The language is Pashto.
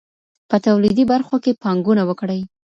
په توليدي برخو کي پانګونه وکړئ.